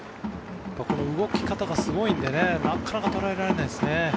この動き方がすごいんでなかなか捉えられないですね。